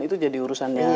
itu jadi urusannya